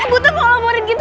sebutan kalau mau nginter